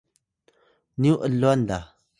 nyu lwan la!